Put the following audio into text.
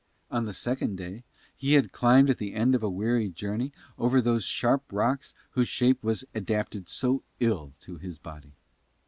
On the second day he had climbed at the end of a weary journey over those sharp rocks whose shape was adapted so ill to his body.